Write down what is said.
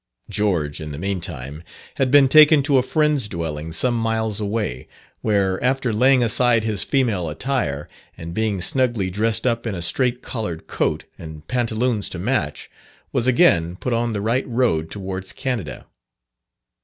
George, in the meantime, had been taken to a Friend's dwelling some miles away, where, after laying aside his female attire, and being snugly dressed up in a straight collared coat, and pantaloons to match, was again put on the right road towards Canada.